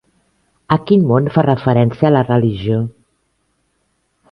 A quin món fa referència la religió?